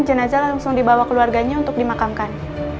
jenazah langsung dibawa keluarganya untuk dimakamkan